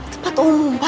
tempat umum pak